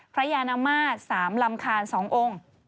พระยานามาสสามลำคาญ๒องค์